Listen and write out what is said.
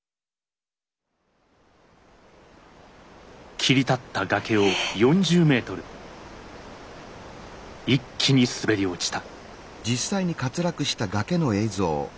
切り立った崖を４０ｍ一気に滑り落ちた。